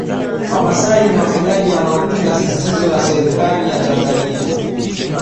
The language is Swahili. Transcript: Wamasai ni wafugaji wanaopinga sisitizo la serikali za Tanzania